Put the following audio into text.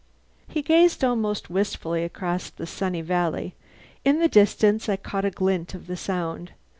He gazed almost wistfully across the sunny valley. In the distance I caught a glint of the Sound.